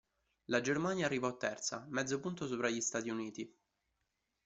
La Germania arrivò terza, mezzo punto sopra gli Stati Uniti.